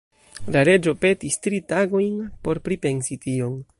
La reĝo petis tri tagojn por pripensi tion.